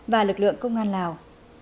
và lực lượng công an lào